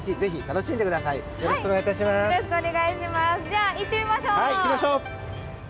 じゃあ行ってみましょう。